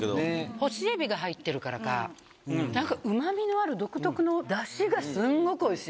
干しエビが入ってるからかうま味のある独特のダシがすんごくおいしい。